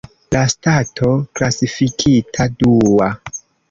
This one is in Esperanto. La stato klasifikita dua.